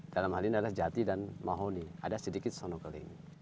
dalam hal ini adalah jati dan mahoni ada sedikit sonokeling